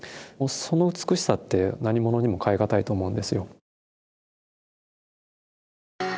もうその美しさって何物にも代え難いと思うんですよ。